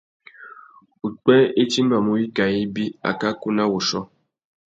Upwê i timbamú wikā ibi, akakú na wuchiô.